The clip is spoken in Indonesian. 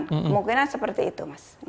kemungkinan seperti itu mas